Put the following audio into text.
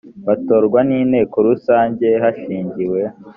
batorwa n inteko rusange hashingiwe